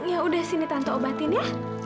ya udah sini tanpa obatin ya